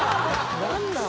何なん？